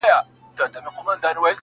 خدای بخښلي ميوندوال